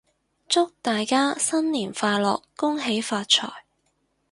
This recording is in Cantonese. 祝大家新年快樂！恭喜發財！